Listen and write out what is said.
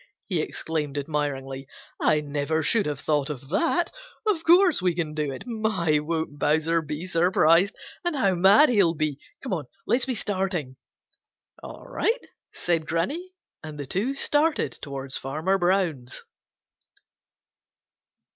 he exclaimed admiringly. "I never should have thought of that. Of course we can do it. My, won't Bowser be surprised! And how mad he'll be! Come on, let's be starting!" "All right," said Granny, and the two started towards Farmer Brown's.